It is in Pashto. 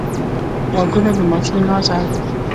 غوږونه د ماشوم ناز اوري